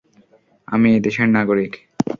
আমি এই দেশের নাগরিক।